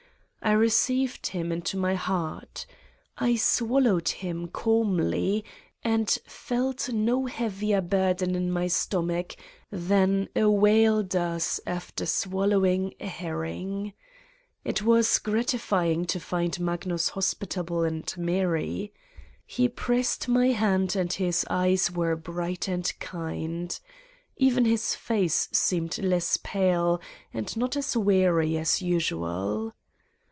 I received him into my heart. I swallowed him calmly and felt no heavier burden in my stomach than a whale does after swallowing a herring. It was gratifying to find Magnus hospitable and merry. He pressed 87 Satan's Diary my hand and his eyes were bright and kind. Even his face seemed less pale and not as weary as usual.